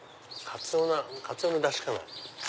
カツオのダシかな。